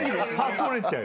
取れちゃう。